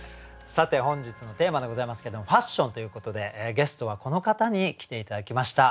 さて本日のテーマでございますけれども「ファッション」ということでゲストはこの方に来て頂きました。